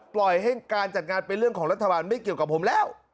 ปล่อยให้การจัดงานเป็นเรื่องของรัฐบาลไม่เกี่ยวกับผมแล้ว